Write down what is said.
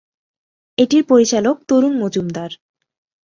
এটির পরিচালক তরুণ মজুমদার।